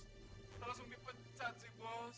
kita langsung di pecat sih bos